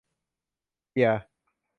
เกียร์